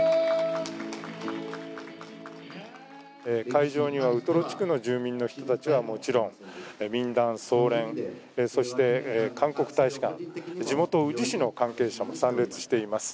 会場にはウトロ地区の住民の人たちはもちろん民団・総連・そして韓国大使館、地元・宇治市の関係者も参列しています。